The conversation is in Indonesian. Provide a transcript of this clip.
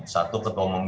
satu ketua umum